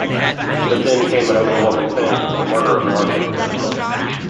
But then came an overwhelming thing — the murder of Marthe.